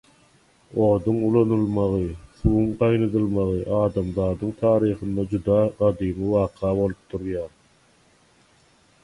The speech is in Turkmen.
Oduň ulanylmagy, suwuň gaýnadylmagy adamzadyň taryhynda juda gadymy waka bolup durýar.